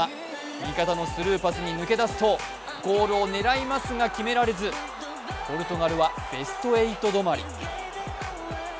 味方のスルーパスに抜け出すとゴールを狙いますが決められずポルトガルはベスト８止まり。